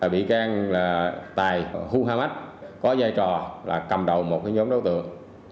bị can tài hu ha mách có giai trò là cầm đầu một nhóm đối tượng